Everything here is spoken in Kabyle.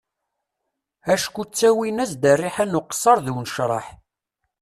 Acku ttawin-as-d rriḥa n uqessar d unecraḥ.